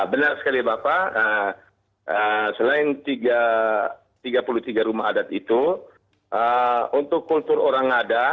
benar sekali bapak selain tiga puluh tiga rumah adat itu untuk kultur orang ada